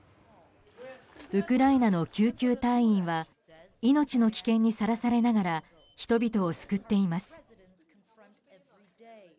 ウクライナの救急隊員は命の危険にさらされながら人々を救っています。